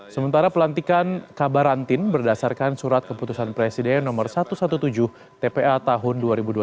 sementara pelantikan kabarantin berdasarkan surat keputusan presiden nomor satu ratus tujuh belas tpa tahun dua ribu dua puluh